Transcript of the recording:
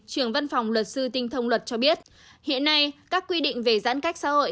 trưởng văn phòng luật sư tinh thông luật cho biết hiện nay các quy định về giãn cách xã hội